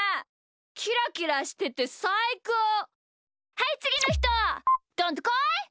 はいつぎのひとどんとこい！